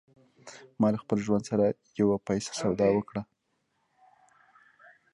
ما له خپل ژوند سره پر يوه پيسه سودا وکړه.